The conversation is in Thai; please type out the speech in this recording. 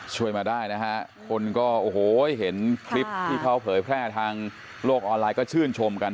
ช่วยมาได้นะฮะคนก็โอ้โหเห็นคลิปที่เขาเผยแพร่ทางโลกออนไลน์ก็ชื่นชมกัน